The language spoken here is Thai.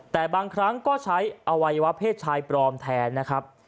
แต่บางครั้งก็ใช้อวัยวะเพศชายปลอมแทนนะครับ